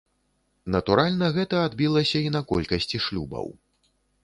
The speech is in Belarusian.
Натуральна, гэта адбілася і на колькасці шлюбаў.